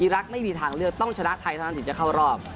รักไม่มีทางเลือกต้องชนะไทยเท่านั้นถึงจะเข้ารอบ